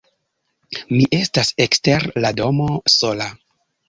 Mi estas ekster la domo, sola.